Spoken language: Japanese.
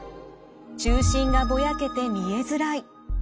中心がぼやけて見えづらい。